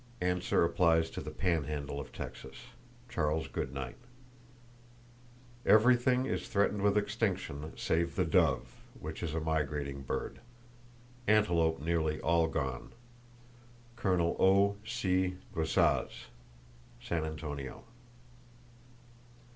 (Answer applies to the Panhandle of Texas.—Chas. Goodnight.) [Page 51] Everything [is threatened with extinction] save the dove, which is a migrating bird. Antelope nearly all gone.—(Col. O.C. Guessaz, San Antonio.)